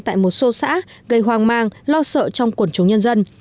tại một số xã gây hoang mang lo sợ trong quần chúng nhân dân